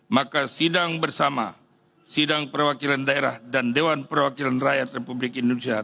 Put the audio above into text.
maka sidang bersama sidang perwakilan daerah dan dewan perwakilan rakyat republik indonesia